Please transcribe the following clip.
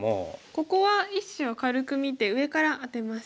ここは１子を軽く見て上からアテます。